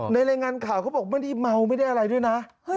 รายงานข่าวเขาบอกไม่ได้เมาไม่ได้อะไรด้วยนะ